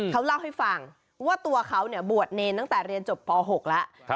เขาเล่าให้ฟังว่าตัวเขาบวชเนรตั้งแต่เรียนจบป๖แล้ว